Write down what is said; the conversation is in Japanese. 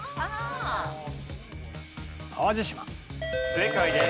正解です。